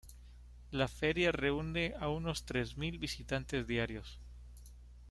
La feria reúne a unos tres mil visitantes diarios.